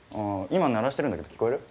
今鳴らしてるんだけど聞こえる？